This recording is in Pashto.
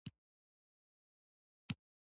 د خوړو د حساسیت لپاره د لیمو اوبه وڅښئ